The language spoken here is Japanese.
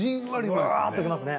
ぶわぁっときますね。